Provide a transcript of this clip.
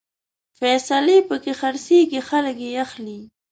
فیصلې پکې خرڅېږي، خلک يې اخلي